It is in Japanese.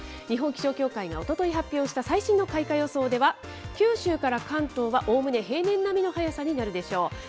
日本気象協会がおととい発表した最新の開花予想では、九州から関東はおおむね平年並みの早さになるでしょう。